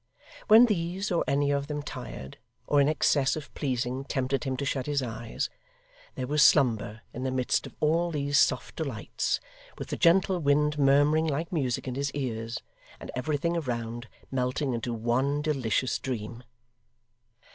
When these or any of them tired, or in excess of pleasing tempted him to shut his eyes, there was slumber in the midst of all these soft delights, with the gentle wind murmuring like music in his ears, and everything around melting into one delicious dream.